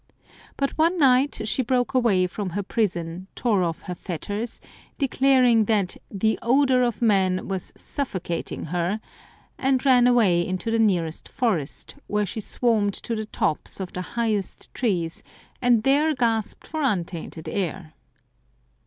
But one night she broke away from her prison, tore off her fetters, declaring that the " odour of men " was suffocating her, and ran 199 Curiosities of Olden Times away into the nearest forest, where she swarmed to the tops of the highest trees and there gasped for untainted air.